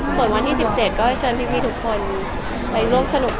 ส่วนวันที่๑๗ก็เชิญทุกคนไปโรพสนุกกัน